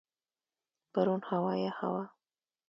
پرون هوا یخه وه.